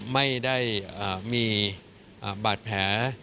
ไม่ได้มีบาดแผล